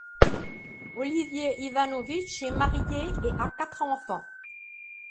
Oliver Ivanović est marié et a quatre enfants.